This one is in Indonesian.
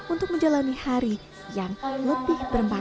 untuk menjalani hari yang lebih bermanfaat